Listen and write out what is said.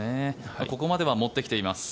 ここまでは持ってきています。